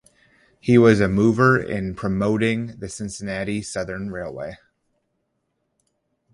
He was a mover in promoting the Cincinnati Southern Railway.